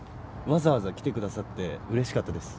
わざわざ来てくださってうれしかったです。